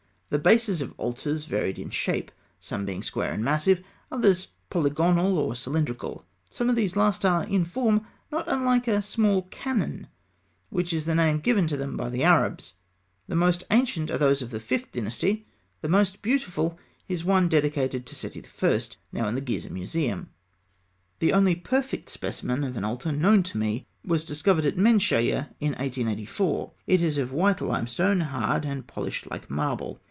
The bases of altars varied in shape, some being square and massive, others polygonal or cylindrical. Some of these last are in form not unlike a small cannon, which is the name given to them by the Arabs. The most ancient are those of the Fifth Dynasty; the most beautiful is one dedicated by Seti I., now in the Gizeh Museum. The only perfect specimen of an altar known to me was discovered at Menshîyeh in 1884 (fig. 111). It is of white limestone, hard and polished like marble.